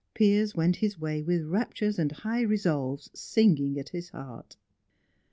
Piers went his way with raptures and high resolves singing at his heart.